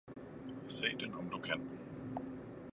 se den om du kan!